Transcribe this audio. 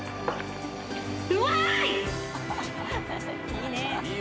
うまい！